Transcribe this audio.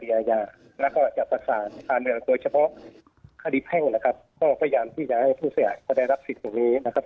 มาสั่งฝั่งกับลินด้านนี้แล้วก็นะคะตั้งมันถามหน้าคุณผมทีครับ